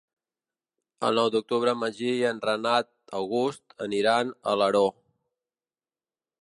El nou d'octubre en Magí i en Renat August aniran a Alaró.